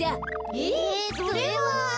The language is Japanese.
えそれは。